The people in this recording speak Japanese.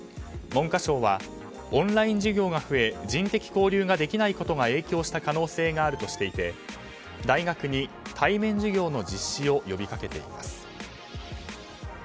文科省は、オンライン授業が増え人的交流ができないことが影響した可能性があるとしていて大学に対面授業の実施を呼びかけています。